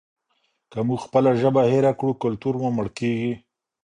که موږ خپله ژبه هېره کړو کلتور مو مړ کیږي.